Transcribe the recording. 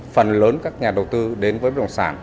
phần lớn các nhà đầu tư đến với bất động sản